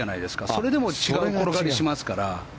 それでも違う転がりしますから。